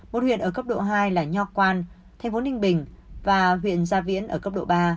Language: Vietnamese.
một huyện ở cấp độ hai là nho quan thành phố ninh bình và huyện gia viễn ở cấp độ ba